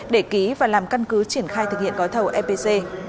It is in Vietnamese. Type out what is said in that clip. để ký và làm căn cứ triển khai thực hiện gói thầu epc